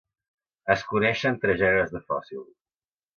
Es coneixen tres gèneres de fòssils.